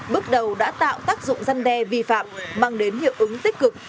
bước đầu đã tạo tác dụng dân đe vi phạm mang đến hiệu ứng tích cực